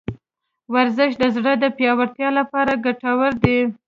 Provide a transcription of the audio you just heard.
ورزش د زړه د پیاوړتیا لپاره ګټور دی.